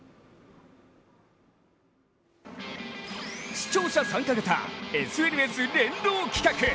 視聴者参加型・ＳＮＳ連動企画。